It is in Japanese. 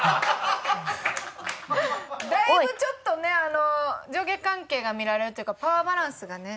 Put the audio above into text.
だいぶちょっとね上下関係が見られるというかパワーバランスがね。